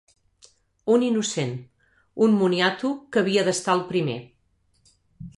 Un innocent. Un moniato, que havia d’estar el primer.